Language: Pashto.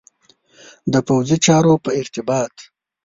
د پوځي چارو په ارتباط.